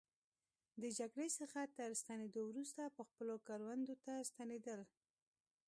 د جګړې څخه تر ستنېدو وروسته به خپلو کروندو ته ستنېدل.